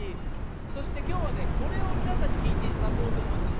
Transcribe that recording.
そして今日はこれを皆さんに聴いていただこうと思います。